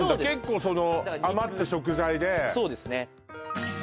結構その余った食材でそうですね